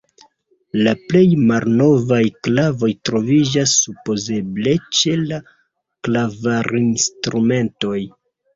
La plej malnovaj klavoj troviĝas supozeble ĉe la klavarinstrumentoj.